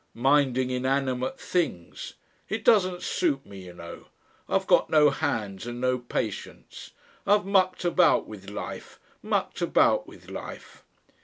Minding inanimate things! It doesn't suit me, you know. I've got no hands and no patience. I've mucked about with life. Mucked about with life."